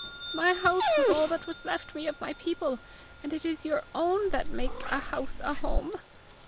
My house was all that was left me of my people, and it is your own that make a house a home!